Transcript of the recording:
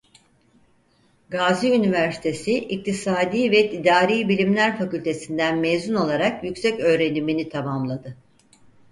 Gazi Üniversitesi İktisadi ve İdari Bilimler Fakültesi'nden mezun olarak yükseköğrenimini tamamladı.